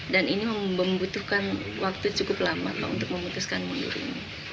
dan ini membutuhkan waktu cukup lama untuk memutuskan mundur ini